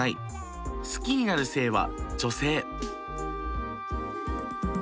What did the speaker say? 好きになる性は女性。